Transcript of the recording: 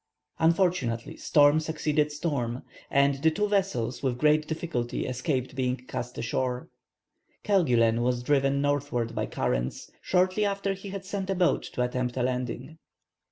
Unfortunately storm succeeded storm, and the two vessels with great difficulty escaped being cast ashore. Kerguelen was driven northward by currents, shortly after he had sent a boat to attempt a landing.